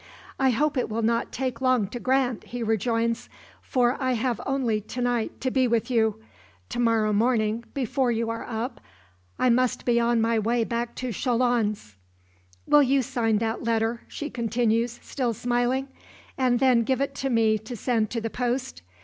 "I hope it will not take long to grant," he rejoins; "for I have only to night to be with you. To morrow morning, before you are up, I must be on my way back to Chalons." "Will you sign that letter?" she continues, still smiling, "and then give it to me to send to the post?